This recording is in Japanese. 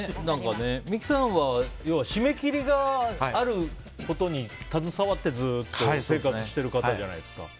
三木さんは要は締め切りがあることに携わってずっと生活している方じゃないですか。